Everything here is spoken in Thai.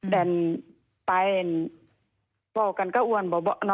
แต่ปายบอกกันก็อ้วน